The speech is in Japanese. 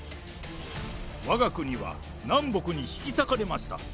わが国は南北に引き裂かれました。